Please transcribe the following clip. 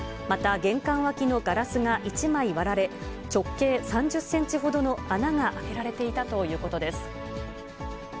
また、玄関脇のガラスが１枚割られ、直径３０センチほどの穴が開けられていたということです。